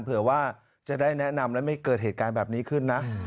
เผื่อว่าจะได้แนะนำและไม่เกิดเหตุการณ์แบบนี้ขึ้นนะ